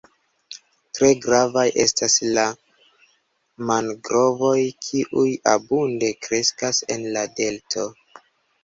Tre gravaj estas la mangrovoj kiuj abunde kreskas en la delto.